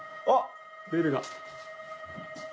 あっベルが。